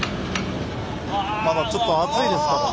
まだちょっと熱いですけどね。